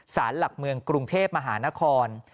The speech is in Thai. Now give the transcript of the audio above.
สารหลักเมืองกรุงเทพมหานคร